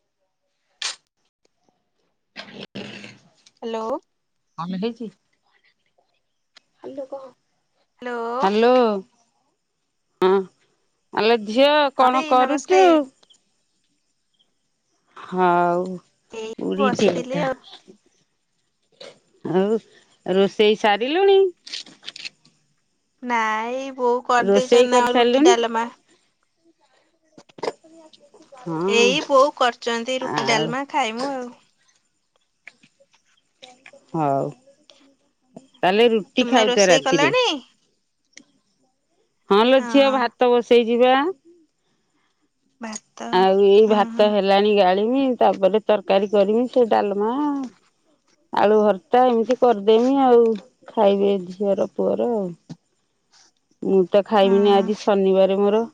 [inaudible] Hello. Hello କହ। Hello. Hello ଝିଅ ହଁ କଣ ଦେଇ ନମସ୍ତେ। କରୁଚୁ? ହଉ ଏଇ ବୁଢୀଟିଏ ବସିଥିଲି ହେଇଥା। ଆଉ। ଆଉ ରୋଷେଇ ସାରିଲୁଣି। ନାଇଁ ବୋଉ କରି ରୋଷେଇ ଦେଇଚନି ନା ରୁଟି କରିସାରିଲୁଣି ଡାଲମା। ହଁ ଏଇ ବୋଉ କରୁଚନ୍ତି ରୁଟି ଆଉ ଡାଲମା ଖାଇମୁ ଆଉ। ହଉ ତା ହେଲେ ରୁଟି ତୁମେ ଖାଉଚ ରୋଷେଇ ରାତିରେ। କଲଣି? ହଁ ଲୋ ଝିଅ ଭାତ ବସେଇଚି ବା। [inaudible] ଆଉ ଏଇ ହଁ ଭାତ ହଁ ହେଲାଣି ଗାଳିମି। ତା ପରେ ତରକାରୀ କରିମି ସେ ଡାଲମା ଆଳୁ ଭର୍ତ୍ତା ଏମିତି କରିଦେମି ଆଉ ଖାଇବେ ଝିଅର ପୁଅର ଆଉ। ମୁଁ ତ ଖାଇବିନି ଆଜି ହଁ ଶନିବାର ମୋର।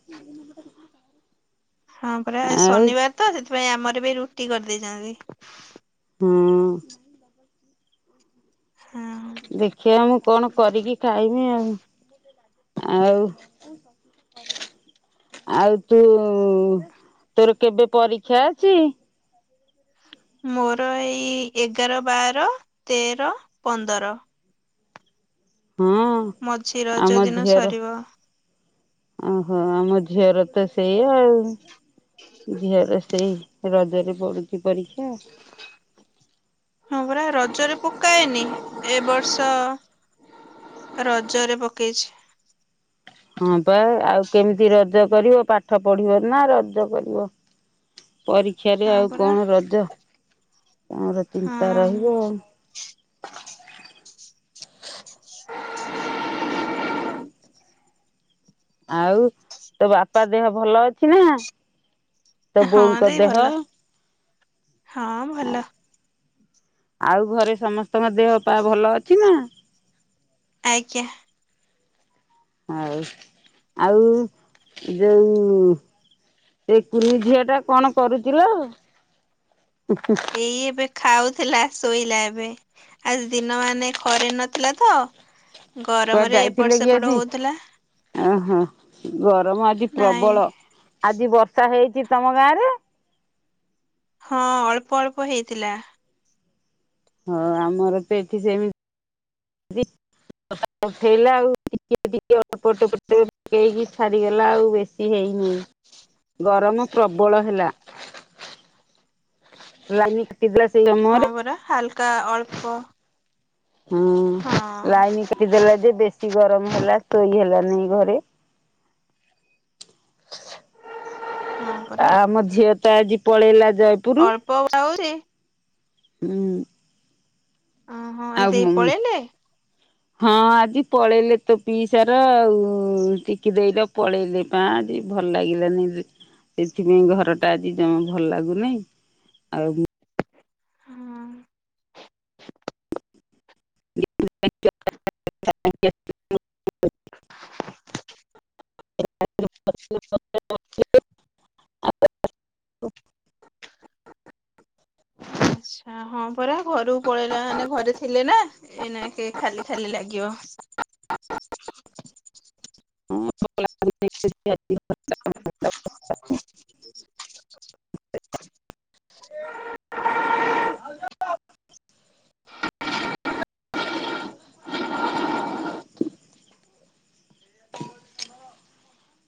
ହଁ ପରା ଆଜି ଆଉ ଶନିବାର ତ ସେଥିପାଇଁ ଆମର ବି ରୁଟି କରିଦେଇଚନ୍ତି। ହୁଁ। ହଁ। ଦେଖିବା ମୁଁ କଣ କରିକି ଖାଇମି ଆଉ? ଆଉ ଆଉ ତୁ ତୋର କେବେ ପରୀକ୍ଷା ଅଛି। ମୋର ଏଇ ଏଗାର, ବାର, ତେର, ପନ୍ଦର। ହଁ ମଝି ରଜ ଆମ ଦିନ ଝୁଅର ସରିବ। ଓହୋ ଆମ ଝିଅର ତ ସେଇ ଆଉ ଝିଅର ସେଇ ରଜରେ ପଡୁଛି ପରୀକ୍ଷା। ହଁ ପରା ରଜରେ ପକାଏନି। ଏ ବର୍ଷ ରଜରେ ପକେଇଛି। ହଁ ବା ଆଉ କେମିତି ରଜ କରିବ, ପାଠ ପଢିବ ନା ରଜ କରିବ। ପରୀକ୍ଷାରେ ହଁ ଆଉ ପରା କଣ ରଜ? କଣ ଚିନ୍ତା ରହିବ? ହଁ ଆଉ ତୋ ବାପା ଦେହ ଭଲ ଅଛି ନା, ତୋ ହଁ ବୋଉଙ୍କ ଦେଇ ଦେହ? ଭଲ ହଁ ଭଲ। ଆଉ ଘରେ ସମସ୍ତଙ୍କ ଦେହ ପା ଭଲ ଅଛି ନା। ଆଜ୍ଞା। ହଉ ଆଉ ଯୋଉ ସେ କୁନି ଝିଅ ଟା କଣ କରୁଛି ଲୋ। ଏଇ ଏବେ ଖାଉଥିଲା ଶୋଇଲା ଏବେ। ଆଜି ଦିନ ମାନେ ରେ ନଥିଲା ତ କୁଆଡେ ଗରମରେ ଯାଇଥିଲେ ଏପଟ କି ସେପଟ ଆଜି? ହଉଥିଲା ଓହୋ ଗରମ ଆଜି ନାଇଁ ପ୍ରବଳ ଆଜି ବର୍ଷା ହେଇଛି ତମ ଗାଁ ରେ ହଁ ଅଳ୍ପ ଅଳ୍ପ ହେଇଥିଲା। ହଁ ଆମର ଏଠି ସେମିତି ଉଠେଇଲା ଆଉ ଟିକେ ଟିକେ ଅଳ୍ପ ଟୋପେ ଟୋପେ ପକେଇକି ଛାଡି ଲଗଲା ଆଉ ବେଶୀ ହେଇନି। ଗରମ ପ୍ରବଳ ହେଲା ଲାଇନ୍ କି ଦେଲା ସେଇ ଅନୁ ହଁ, ପରା ହାଲକା ଅଳ୍ପ ହଁ ହୁଁ ରାଇନୀ କାଟିଦେଲା ଯେ ବେଶୀ ଗରମ ହେଲା ଶୋଇ ହେଲାନି ଘରେ। ହଁ ଆ ପରା ଆମ ଝିଅ ତ ଆଜି ପଳେଇଲା ଜ ଅଳ୍ପ ବାଉରି ହୁଁ। ଓହୋ ଆଜି ଆଉ ଦେଇ ମୁଁ। ପଳେଇଲେ ହଁ ଆଜି ପଳେଇଲେ ତୋ ପିଇସାର ଆଉ ଟିକି ଦେଇର ପଳେଇଲେ। ପା ଆଜି ଭଲ ଲାଗିଲାନି ସେଥିପାଇଁ ଘର ଟା ଆଜି ଜମା ଭଲ ଲାଗୁନି। ଆଉ। ହଁ। [unintelligible] ଆଛା ହଁ ପରା ଘରକୁ ପଳେଇଲା ମାନେ ଘରେ ଥିଲେ ନା ଏଇନା କେ ଖାଲି ଖାଲି ଲାଗିବ। [unintelligible] [unintelligible] [inaudible]